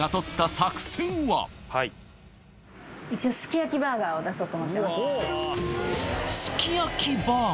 一応すき焼きバーガーを出そうと思ってます